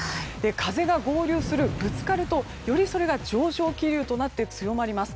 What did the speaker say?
風が合流する、ぶつかるとよりそれが上昇気流となって強まります。